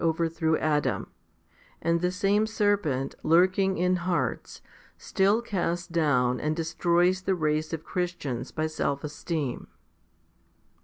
HOMILY XXVII 203 overthrew Adam ; and the same serpent, lurking in hearts, still casts down and destroys the race of Christians by self esteem.